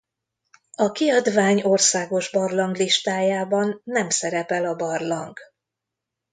A kiadvány országos barlanglistájában nem szerepel a barlang.